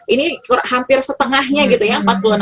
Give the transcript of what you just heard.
ini hampir setengahnya gitu ya